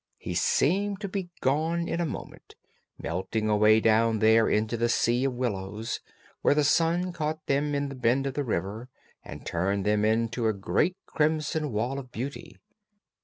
He seemed to be gone in a moment, melting away down there into the sea of willows where the sun caught them in the bend of the river and turned them into a great crimson wall of beauty.